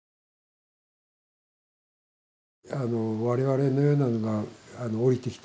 我々のようなのが下りてきてね